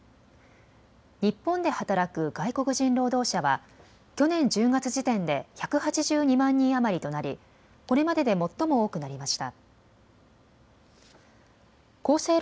日本で働く外国人労働者は去年１０月時点で１８２万人余りとなりこれまでで最も多くなりました。